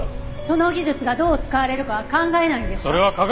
その技術がどう使われるかは考えないんですか？